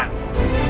lo mau kemana